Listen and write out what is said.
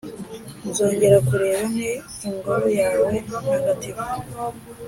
nzongera kureba nte ingoro yawe ntagatifu?’